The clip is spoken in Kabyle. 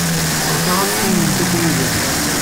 Ɣseɣ ad teqqimemt akk yid-i.